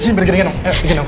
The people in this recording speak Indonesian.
sini pergi dengan aku